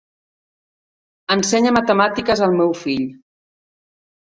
Ensenya matemàtiques al meu fill.